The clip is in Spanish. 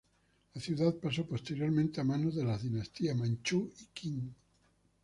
La ciudad pasó posteriormente a manos de las dinastías Manchú y Qing.